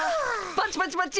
パチパチパチ！